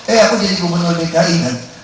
eh aku jadi gubernur dki kan